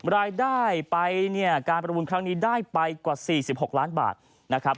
รายได้ไปเนี่ยการประมูลครั้งนี้ได้ไปกว่า๔๖ล้านบาทนะครับ